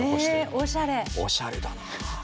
おしゃれだなぁ。